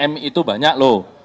m itu banyak loh